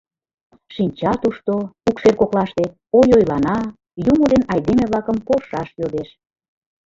Шинча тушто, укшер коклаште, ойойлана, юмо ден айдеме-влакым полшаш йодеш.